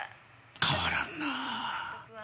変わらんなぁ。は？